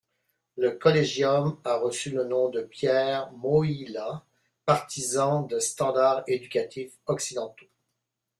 Le Collegium a reçu le nom de Pierre Mohyla, partisan de standards éducatifs occidentaux.